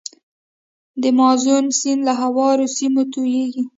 د مازون سیند له هوارو سیمو تویږي.